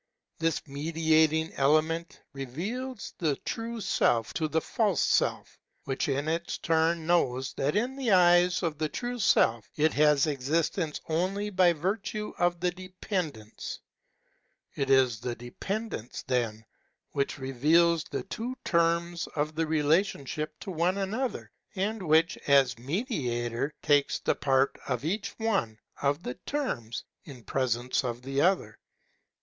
This mediating element reveals the true Self to the false Self, which in its turn knows that in the eyes of the true Self it has existence only by virtue of the dependence. It is the dependence then which reveals the two terms of the relation ship to one another, and which, as Mediator, takes the part of each one of the terms in presence of the other.